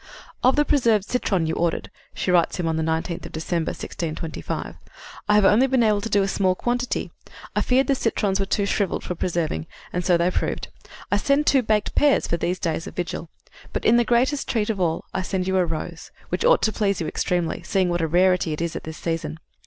"Of the preserved citron you ordered," she writes him on the nineteenth of December, 1625, "I have only been able to do a small quantity. I feared the citrons were too shriveled for preserving, and so they proved. I send two baked pears for these days of vigil. But the greatest treat of all I send you is a rose, which ought to please you extremely, seeing what a rarity it is at this season.